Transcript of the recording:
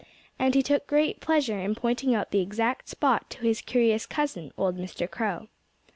And he took great pleasure in pointing out the exact spot to his curious cousin, old Mr. Crow.